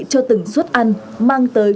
cho từng suất ăn mang tới